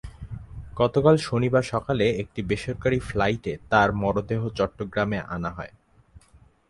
গতকাল শনিবার সকালে একটি বেসরকারি ফ্লাইটে তাঁর মরদেহ চট্টগ্রানে আনা হয়।